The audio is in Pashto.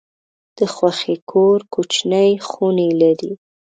د خوښۍ کور کوچني خونې لري.